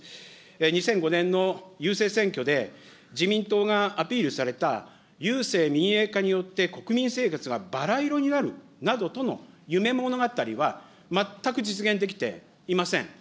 ２００５年の郵政選挙で、自民党がアピールされた郵政民営化によって国民生活がばら色になるなどとの夢物語は全く実現できていません。